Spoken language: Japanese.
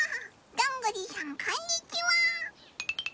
どんぐりさんこんにちは！